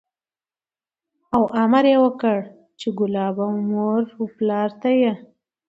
او امر یې وکړ چې کلاب او مور و پلار ته یې